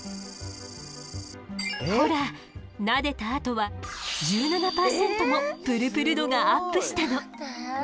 ほらなでたあとは１７％もプルプル度がアップしたの。